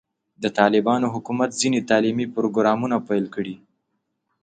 د طالبانو حکومت ځینې تعلیمي پروګرامونه پیل کړي.